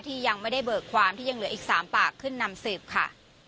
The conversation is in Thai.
ที่ยังไม่ได้เบิกความที่ยังเหลืออีก๓ปากขึ้นนำสืบค่ะ